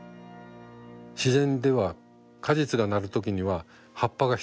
自然では果実がなる時には葉っぱが必要です。